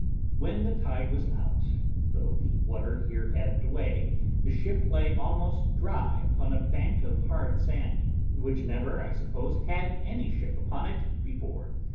When the tide was out, though the water here ebbed away, the ship lay almost dry upon a bank of hard sand, which never, I suppose, had any ship upon it before.